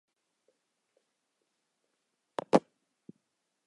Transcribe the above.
一说他就是宋朝方面史料记载的耶律郑哥。